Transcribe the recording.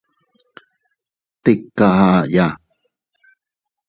Tika aʼaya.